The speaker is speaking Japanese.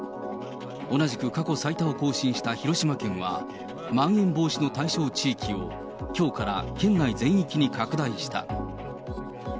同じく過去最多を更新した広島県は、まん延防止の対象地域を、きょうから県内全域に拡大した。